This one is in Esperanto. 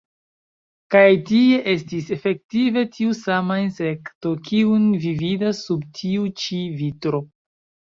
Kaj tie estis efektive tiu sama insekto, kiun vi vidas sub tiu ĉi vitro.